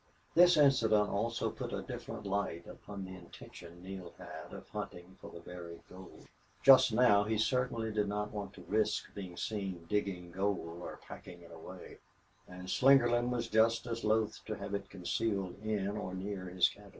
This incident also put a different light upon the intention Neale had of hunting for the buried gold. Just now he certainly did not want to risk being seen digging gold or packing it away; and Slingerland was just as loath to have it concealed in or near his cabin.